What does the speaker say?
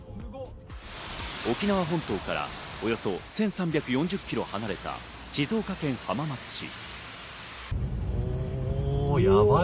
沖縄本島からおよそ１３４０キロ離れた静岡県浜松市。